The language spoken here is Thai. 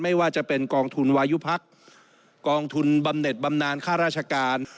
ไม่ว่าจะเป็นกองทุนวายุพักกองทุนบำเน็ตบำนานค่าราชการ